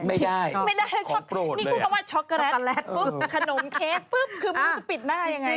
ไม่ได้นี่คือคำว่าช็อกโกแลตขนมเค้กปุ๊บคือมันจะปิดได้อย่างไร